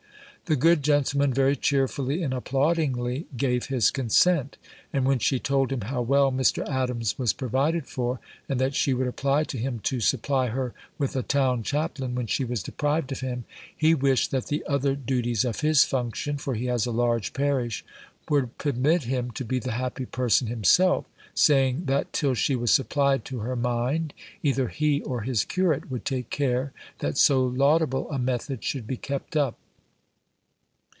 The good gentleman very cheerfully and applaudingly gave his consent; and when she told him how well Mr. Adams was provided for, and that she would apply to him to supply her with a town chaplain, when she was deprived of him, he wished that the other duties of his function (for he has a large parish) would permit him to be the happy person himself, saying, that till she was supplied to her mind, either he or his curate would take care that so laudable a method should be kept up.